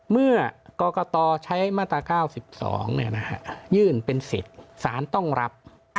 เมื่อกรกตใช้มาตรา๙๒ยื่นเป็นสิทธิ์สารต้องรับ